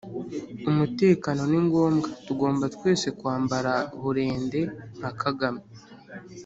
Umutekano ni ngomwa tugomba twese kwambara burende nka Kagame.